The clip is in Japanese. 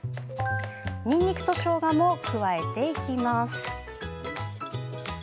にんにくとしょうがも加えていきます。